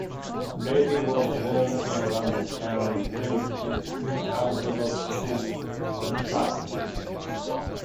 Levy was born in London and went to Queen Elizabeth's School, Barnet.